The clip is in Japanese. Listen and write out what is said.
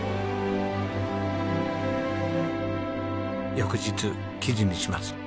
翌日記事にします。